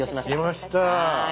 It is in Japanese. きました。